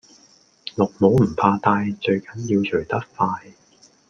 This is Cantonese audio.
綠帽唔怕戴最緊要除得快